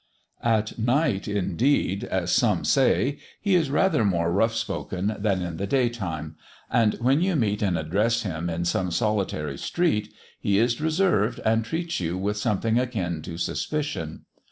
At night, indeed, as some say, he is rather more rough spoken than in the day time; and when you meet and address him in some solitary street, he is reserved and treats you with something akin to suspicion.